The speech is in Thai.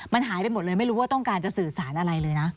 มันหายไปหมดเลยไม่รู้ว่าต้องการจะสื่อสารอะไรเลยนะ